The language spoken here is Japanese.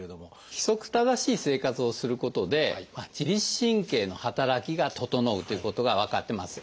規則正しい生活をすることで自律神経の働きが整うということが分かってます。